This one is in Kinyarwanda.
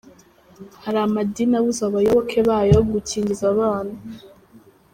Hari amadini abuza abayoboke bayo gukingiza abana